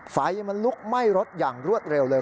ไฟมันลุกไหม้รถอย่างรวดเร็วเลย